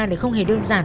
lại không hề đơn giản